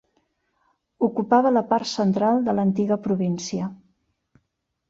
Ocupava la part central de l'antiga província.